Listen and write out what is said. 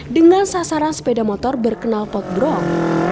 dengan sasaran sepeda motor berkenal potbrok